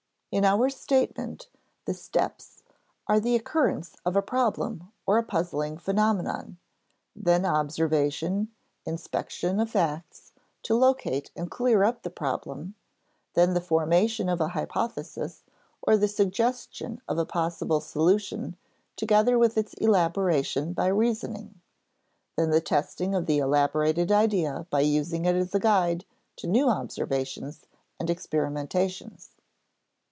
In our statement (compare Chapter Six) the "steps" are the occurrence of a problem or a puzzling phenomenon; then observation, inspection of facts, to locate and clear up the problem; then the formation of a hypothesis or the suggestion of a possible solution together with its elaboration by reasoning; then the testing of the elaborated idea by using it as a guide to new observations and experimentations.